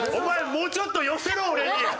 もうちょっと寄せろ俺に。